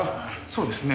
そうですね。